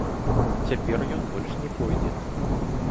Цяпер ён больш не пойдзе!